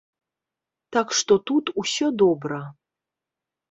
Так што тут усё добра.